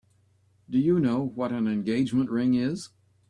Do you know what an engagement ring is?